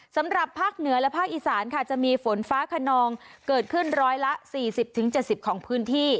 สำหรับภาคเหนือและภาคอีสานค่ะจะมีฝนฟ้าขนองเกิดขึ้นร้อยละ๔๐๗๐ของพื้นที่